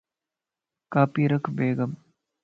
کاپي رک بيگ ام